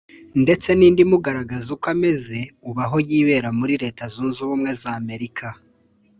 ndetse n’indi imugaragaza uko ameze ubu aho yibera muri Leta Zunze Ubumwe za Amerika